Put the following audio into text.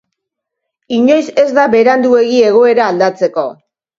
Inoiz ez da beranduegi egoera aldatzeko.